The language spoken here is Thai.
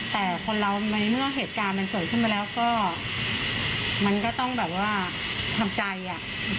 แต่คนเราในเมื่อเหตุการณ์มันเกิดขึ้นมาแล้วก็มันก็ต้องแบบว่าทำใจอ่ะ